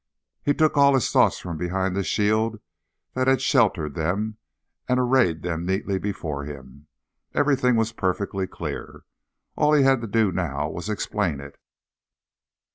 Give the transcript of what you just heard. He took all his thoughts from behind the shield that had sheltered them and arrayed them neatly before him. Everything was perfectly clear; all he had to do now was explain it.